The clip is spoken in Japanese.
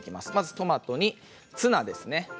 トマトにツナですね。